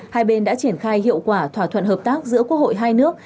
hai bên đã triển khai hiệu quả thỏa thuận hợp tác giữa quốc hội hai nước